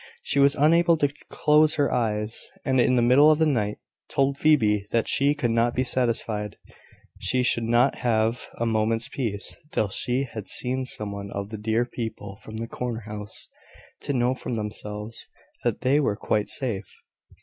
She was unable to close her eyes, and in the middle of the night told Phoebe that she could not be satisfied she should not have a moment's peace till she had seen some one of the dear people from the corner house, to know from themselves that they were quite safe.